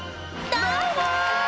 どうも！